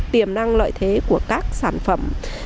tiềm năng lợi thế của các sản phẩm